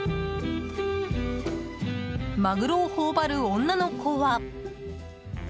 マグロを頬張る女の子は。